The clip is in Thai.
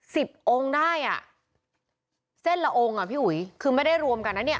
สิบองค์ได้อ่ะเส้นละองค์อ่ะพี่อุ๋ยคือไม่ได้รวมกันนะเนี่ย